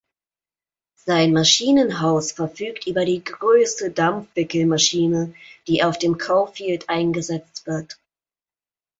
Sein Maschinenhaus verfügt über die größte Dampfwickelmaschine, die auf dem Coafield eingesetzt wird.